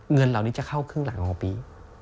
เงินเหล่านี้จะเข้าครึ่งหลังของปี